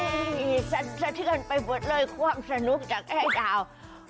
โอ้โหสักทีกันไปเบิดเลยความสนุกจากยายดาว